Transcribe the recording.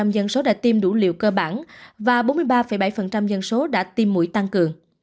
bảy mươi tám tám dân số đã tiêm đủ liều cơ bản và bốn mươi ba bảy dân số đã tiêm mũi tăng cường